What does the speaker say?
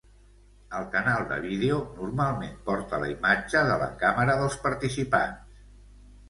El canal de vídeo normalment porta la imatge de la càmera dels participants.